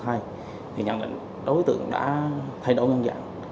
thì nhận định đối tượng đã thay đổi nhân dạng